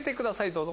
どうぞ。